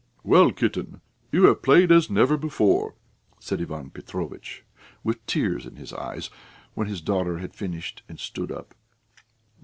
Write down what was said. "Well, Kitten, you have played as never before," said Ivan Petrovitch, with tears in his eyes, when his daughter had finished and stood up.